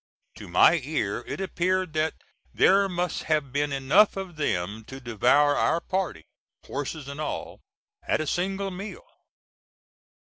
To my ear it appeared that there must have been enough of them to devour our party, horses and all, at a single meal.